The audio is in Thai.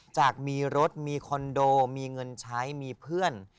จากมีรถมีคอนโดมีเงินใช้มีเพื่อน